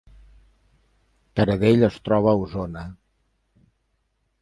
Taradell es troba a Osona